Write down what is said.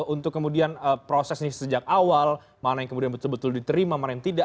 untuk kemudian proses ini sejak awal mana yang kemudian betul betul diterima mana yang tidak